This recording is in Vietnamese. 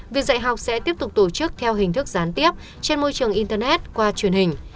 việc dạy học sẽ tiếp tục tổ chức theo hình thức gián tiếp trên môi trường internet qua truyền hình